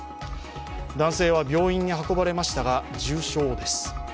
男性は病院に運ばれましたが、重傷です。